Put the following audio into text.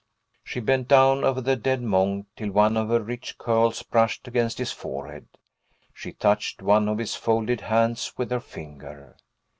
She bent down over the dead monk, till one of her rich curls brushed against his forehead. She touched one of his folded hands with her finger.